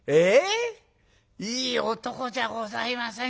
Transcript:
いい男じゃございませんか。